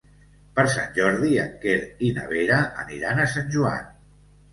Per Sant Jordi en Quer i na Vera aniran a Sant Joan.